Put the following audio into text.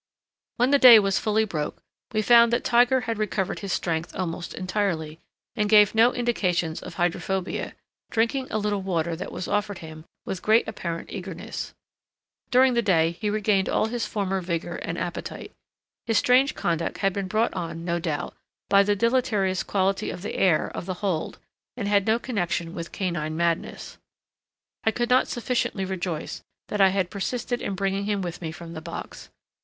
When the day was fully broke, we found that Tiger had recovered his strength almost entirely, and gave no indications of hydrophobia, drinking a little water that was offered him with great apparent eagerness. During the day he regained all his former vigour and appetite. His strange conduct had been brought on, no doubt, by the deleterious quality of the air of the hold, and had no connexion with canine madness. I could not sufficiently rejoice that I had persisted in bringing him with me from the box.